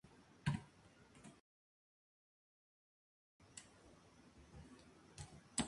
Esto deriva del hecho de que hubo malentendidos acerca de los espectáculos.